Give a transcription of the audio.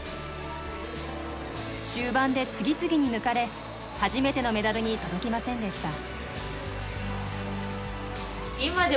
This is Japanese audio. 終盤で次々に抜かれ初めてのメダルに届きませんでした。